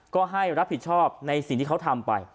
ก็ให้รับผิดชอบในสิ่งที่เขาทำไป